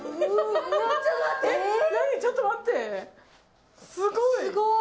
なに、ちょっと待って。